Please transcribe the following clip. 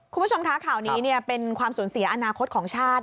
คุณผู้ชมคะข่าวนี้เป็นความสูญเสียอนาคตของชาติ